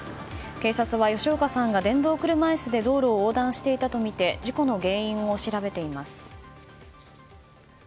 警察は、吉岡さんが電動車椅子で道路を横断していたとみて事故の原因を調べています。